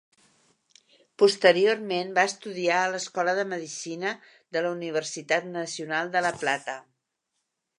Posteriorment va estudiar a l'Escola de Medicina de la Universitat Nacional de La Plata.